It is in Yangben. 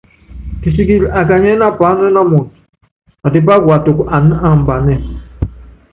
Kisikili akanyiɛ́ na paáná na muundɔ, atípá kuatuku aní ambanɛ́ɛ.